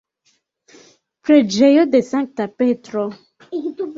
Preĝejo de Sankta Petro.